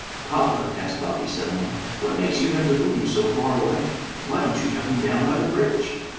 "Papa," asked Bobby suddenly, "what makes you have the booms so far away? Why don't you have them down by the bridge?"